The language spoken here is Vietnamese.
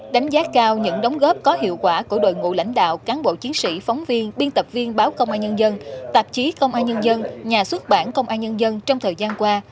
đánh giá cao những đóng góp có hiệu quả của đội ngũ lãnh đạo cán bộ chiến sĩ phóng viên biên tập viên báo công an nhân dân tạp chí công an nhân dân nhà xuất bản công an nhân dân trong thời gian qua